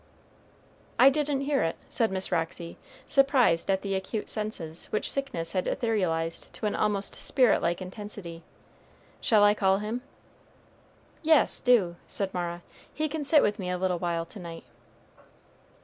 "I didn't hear it," said Miss Roxy, surprised at the acute senses which sickness had etherealized to an almost spirit like intensity. "Shall I call him?" "Yes, do," said Mara. "He can sit with me a little while to night."